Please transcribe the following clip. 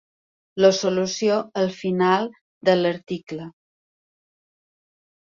La solució, al final de l'article.